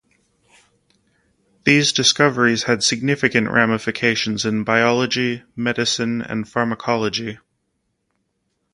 These discoveries had significant ramifications in biology, medicine, and pharmacology.